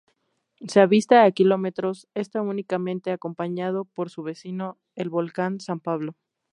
Se avista a kilómetros, está únicamente acompañado por su vecino el Volcán San Pablo.